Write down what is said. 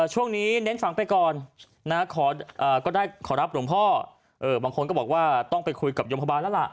ให้ฟังไปก่อนนะขอรับหลวงพ่อบางคนก็บอกว่าต้องไปคุยกับยมพบาลแล้วล่ะ